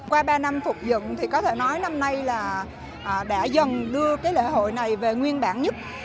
qua ba năm phục dựng thì có thể nói năm nay là đã dần đưa cái lễ hội này về nguyên bản nhất